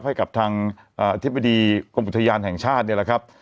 ให้กับทางอธิบดีกรมอุทยานแห่งชาติเนี่ยแหละครับ